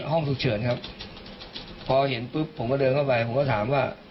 ห้องฉุกเฉินครับพอเห็นปุ๊บผมก็เดินเข้าไปผมก็ถามว่า